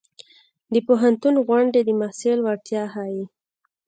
د پوهنتون غونډې د محصل وړتیا ښيي.